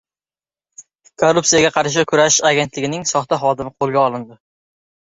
Korrupsiyaga qarshi kurashish agentligining soxta xodimi qo‘lga olindi